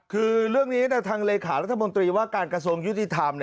คือเรื่องนี้ทางเลขารัฐมนตรีว่าการกระทรวงยุติธรรม